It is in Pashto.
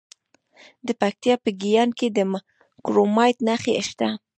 د پکتیکا په ګیان کې د کرومایټ نښې شته.